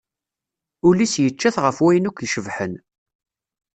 Ul-is yeččat ɣef wayen akk icebḥen.